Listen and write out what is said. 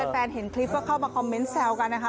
แฟนเห็นคลิปก็เข้ามาคอมเมนต์แซวกันนะคะ